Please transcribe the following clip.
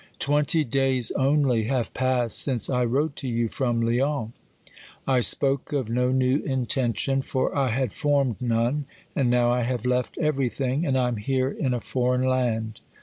Twenty days only have passed since I wrote to you from Lyons. I spoke of no new intention, for I had formed none ; and now I have left everything, and I am here in a foreign land.